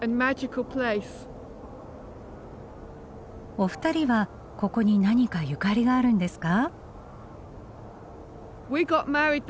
お二人はここに何かゆかりがあるんですか？